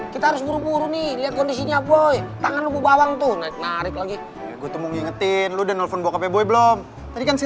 kalo ada yang mau berbicara silahkan tanya di deskripsi